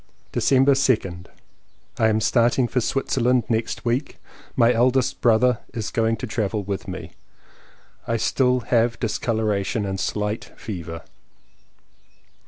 December 2nd. I am starting for Switzerland next week. My eldest brother is going to travel with me. I have still discoloration and slight fever.